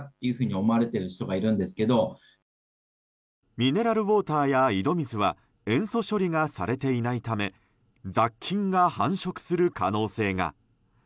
ミネラルウォーターや井戸水は塩素処理がされていないため雑菌が繁殖する可能性が。